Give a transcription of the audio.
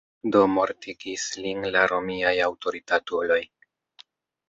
Do mortigis lin la romiaj aŭtoritatuloj.